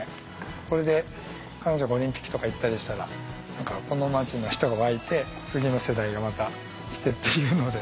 これで彼女がオリンピックとか行ったりしたらこの街の人が沸いて次の世代がまた来てっていうので。